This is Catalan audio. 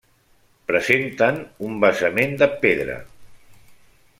Presenten un basament de pedra.